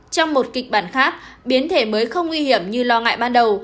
trong một kịch bản khác biến thể mới không nguy hiểm như lo ngại ban đầu